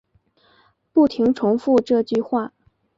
不停重复这句话